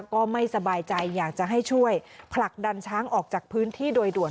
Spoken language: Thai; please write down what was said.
ก็ไม่สบายใจอยากจะให้ช่วยผลักดันช้างออกจากพื้นที่โดยด่วน